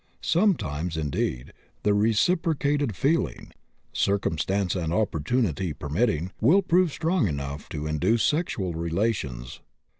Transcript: Sometimes, indeed, the reciprocated feeling (circumstance and opportunity permitting) will prove strong enough to induce sexual relations.